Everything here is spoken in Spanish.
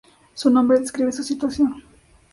Su nombre describe su situación.